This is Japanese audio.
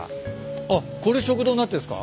あっこれ食堂になってんすか？